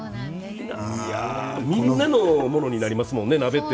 みんなのものになりますよね、鍋。